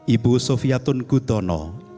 ibu sofiatun kudono